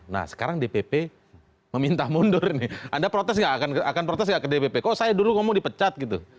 nah sekarang dpp meminta mundur nih anda protes nggak akan protes gak ke dpp kok saya dulu ngomong dipecat gitu